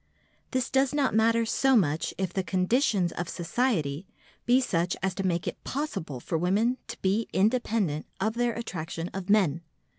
This does not matter so much if the conditions of society be such as to make it possible for women to be independent of their attraction of men.